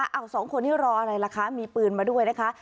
สองคนนี้รออะไรล่ะคะมีปืนมาด้วยนะคะ